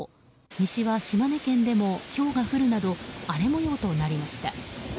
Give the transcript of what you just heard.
西は島根県でもひょうが降るなど荒れ模様となりました。